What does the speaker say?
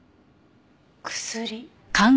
薬。